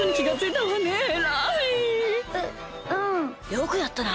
よくやったな！